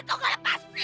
gue gak peduli